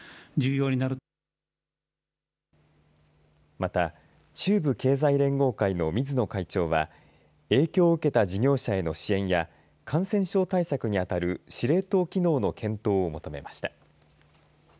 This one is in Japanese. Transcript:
また中部経済連合会の水野会長は影響を受けた事業者への支援や感染症対策に当たる司令塔機能の検討を求めました。